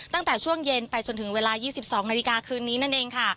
ตั้งแต่ช่วงเย็นไปจนถึงเวลา๒๒นาฬิกาคืนนี้นั่นเองค่ะ